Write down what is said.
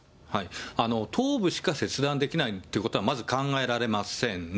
頭部しか切断できないってことは、まず考えられませんね。